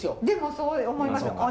でもそう思いますよ。